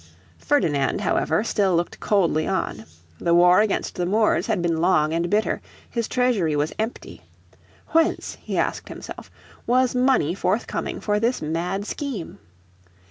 Ferdinand, however, still looked coldly on. The war against the Moors had been long and bitter, his treasury was empty. Whence, he asked himself, was money forthcoming for this mad scheme?